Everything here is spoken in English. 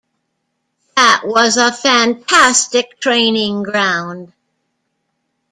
That was a fantastic training ground.